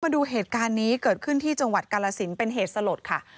มาดูเหตุการณ์นี้เกิดขึ้นที่จังหวัดกาลสินเป็นเหตุสลดค่ะ